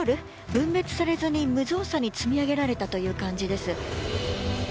分別されずに無造作に積み上げられたという感じです。